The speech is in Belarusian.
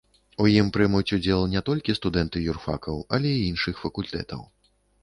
У ім прымуць удзел не толькі студэнты юрфакаў, але і іншых факультэтаў.